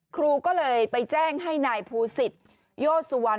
ครูก็เลยไปแจ้งให้นายภูศิษฐโยสุวรรณ